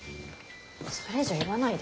それ以上言わないで。